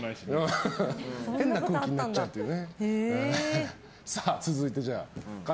変な空気になっちゃうっていう。